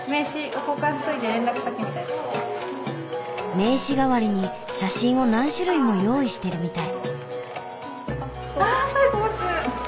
名刺代わりに写真を何種類も用意してるみたい。